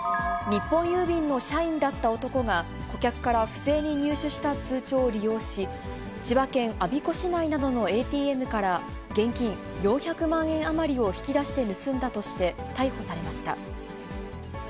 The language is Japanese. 日本郵便の社員だった男が顧客から不正に入手した通帳を利用し、千葉県我孫子市内などのＡＴＭから、現金４００万円余りを引き出して盗んだとして逮捕されました。